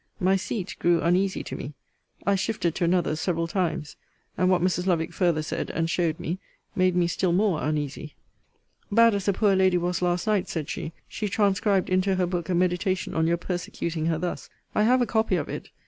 My seat grew uneasy to me. I shifted to another several times; and what Mrs. Lovick farther said, and showed me, made me still more uneasy. Bad as the poor lady was last night, said she, she transcribed into her book a meditation on your persecuting her thus. I have a copy of it.